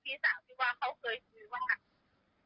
พี่ก็กินตอบกลับไปว่าเอ้าทำไมเป็นแบบนี้คือจะไปไหนอะไรอย่างเงี้ย